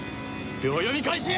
秒読み開始！